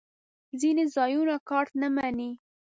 ځینې ځایونه کارت نه منی